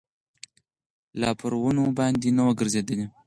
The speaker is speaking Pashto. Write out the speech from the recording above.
لا پر ونو باندي نه ووګرځېدلی